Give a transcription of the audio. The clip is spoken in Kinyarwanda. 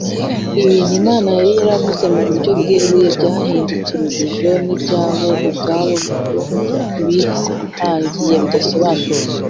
ibintu imana yari yaravuze mu buryo bweruye byahinduwe urujijo n’ibyo bo ubwabo bihangiye bidasobanutse